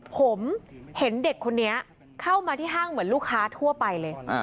ผมเห็นเด็กคนนี้เข้ามาที่ห้างเหมือนลูกค้าทั่วไปเลย